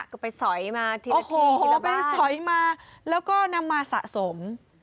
ก็ไปสอยมาทีละทีทีละบ้านโอ้โฮไปสอยมาแล้วก็นำมาสะสม